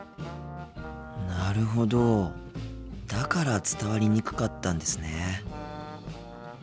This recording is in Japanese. なるほどだから伝わりにくかったんですね。